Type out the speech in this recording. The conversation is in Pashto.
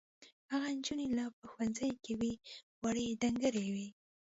هغه نجونې لا په ښوونځي کې وې وړې ډنګرې وې.